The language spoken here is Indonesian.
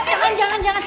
eh jangan jangan jangan